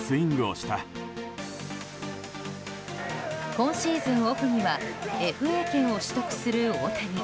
今シーズンオフにはＦＡ権を取得する大谷。